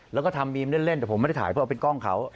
แล้วก็ทำบีมเล่นแต่ผมไม่ได้ถ่ายเพื่อเอาเป็นกล้องเขา